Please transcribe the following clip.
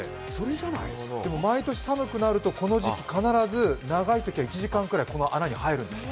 でも毎年寒くなると、この時期必ず長いときは１時間くらいこの穴に入るんですって。